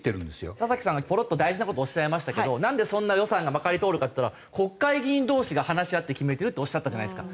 田さんがポロッと大事な事おっしゃいましたけどなんでそんな予算がまかり通るかっていったら「国会議員同士が話し合って決めてる」っておっしゃったじゃないですか。